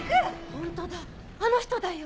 ホントだあの人だよ。